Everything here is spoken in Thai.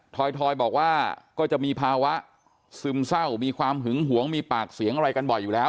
ถอยบอกว่าก็จะมีภาวะซึมเศร้ามีความหึงหวงมีปากเสียงอะไรกันบ่อยอยู่แล้ว